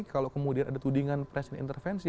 kalau kemudian ada tudingan presiden intervensi